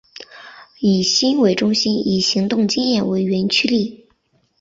以心为中心以行动经验为原驱力。